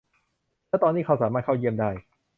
และตอนนี้เขาด้วยสามารถเข้าเยี่ยมได้